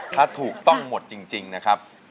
ถ้าถูกต้องหมดจริงนะครับ